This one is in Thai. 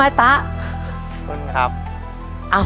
มาร่วมเป็นกำลังใจกันนะครับผู้ชมครับ